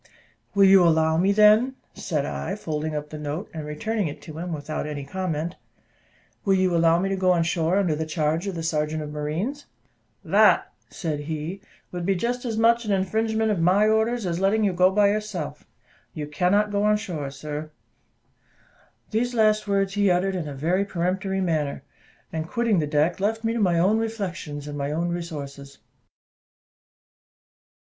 "Will you allow me, then," said I, folding up the note, and returning it to him without any comment, "will you allow me to go on shore under the charge of the sergeant of marines?" "That," said he, "would be just as much an infringement of my orders as letting you go by yourself. You cannot go on shore, sir." These last words he uttered in a very peremptory manner, and, quitting the deck, left me to my own reflections and my own resources.